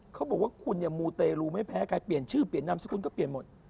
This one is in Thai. เขาบอกว่าคุณเนี่ยมูเตรลูไม่แพ้ใครเปลี่ยนชื่อเปลี่ยนนามสกุลก็เปลี่ยนหมด